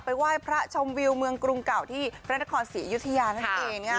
ไหว้พระชมวิวเมืองกรุงเก่าที่พระนครศรีอยุธยานั่นเอง